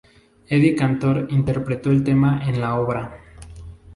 Eddie Cantor interpretó el tema en la obra.